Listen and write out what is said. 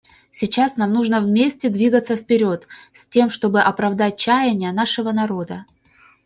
Сейчас нам нужно вместе двигаться вперед, с тем чтобы оправдать чаяния нашего народа.